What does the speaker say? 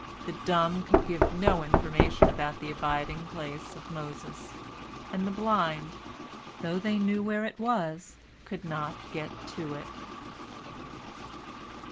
The dumb could give no information about the abiding place of Moses, and the blind, though they knew where it was, could not get to it.